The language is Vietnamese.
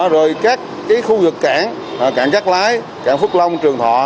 rồi các khu vực cảng cảng cắt lái cảng phúc long trường thọ